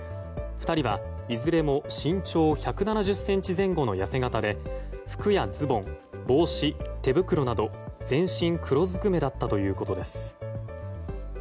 ２人はいずれも身長１７０ｃｍ前後の痩せ形で服やズボン、帽子、手袋など全身黒ずくめだったということです。